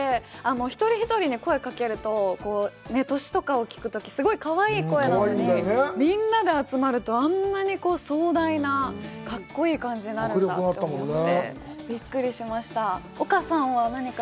一人一人に声かけると、年とかを聞くとすごい、かわいい声なのに、みんなで集まるとあんなに壮大な、かっこいい感じになるんだと思って。